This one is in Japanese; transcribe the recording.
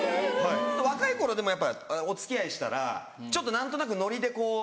若い頃でもやっぱお付き合いしたらちょっと何となくノリでこう。